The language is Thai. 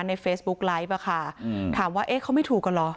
ในเฟซบุ๊กไลฟ์อะค่ะถามว่าเอ๊ะเขาไม่ถูกกันเหรอ